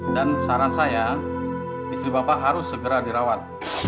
dan saran saya istri bapak harus segera dirawat